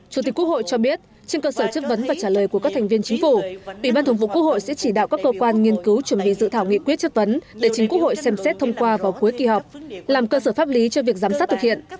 chủ tịch quốc hội cho biết trên cơ sở chất vấn và trả lời của các thành viên chính phủ ủy ban thống vụ quốc hội sẽ chỉ đạo các cơ quan nghiên cứu chuẩn bị dự thảo nghị quyết chất vấn để chính quốc hội xem xét thông qua vào cuối kỳ họp làm cơ sở pháp lý cho việc giám sát thực hiện